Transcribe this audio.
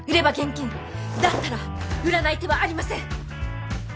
だったら売らない手はありません！